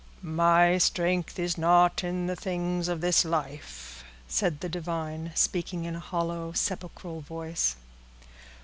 "My strength is not in the things of this life," said the divine, speaking in a hollow, sepulchral voice.